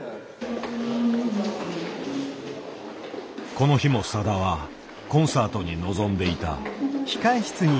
この日もさだはコンサートに臨んでいた。